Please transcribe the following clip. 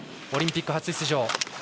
オリンピック初出場。